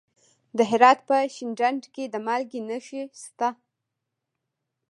د هرات په شینډنډ کې د مالګې نښې شته.